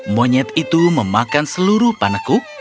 monyet itu memakan seluruh panekuk